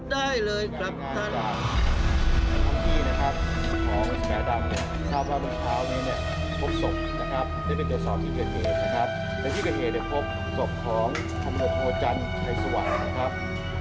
ในที่กระเทศได้พบศพของธรรมจรรย์ไทยสวรรค์นะครับ